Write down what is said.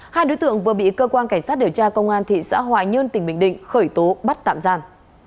hai đối tượng vừa bị cơ quan cảnh sát điều tra công an thị xã hoài nhơn tỉnh bình định khởi tố bắt tạm giam